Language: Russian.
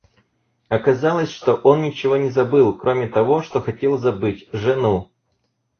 Оказалось, что он ничего не забыл, кроме того, что хотел забыть,— жену.